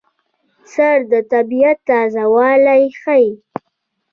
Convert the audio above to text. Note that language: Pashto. رس د طبیعت تازهوالی ښيي